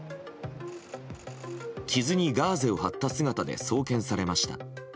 傷にガーゼを張った姿で送検されました。